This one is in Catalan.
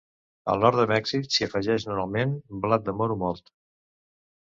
Al nord de Mèxic s'hi afegeix normalment blat de moro molt.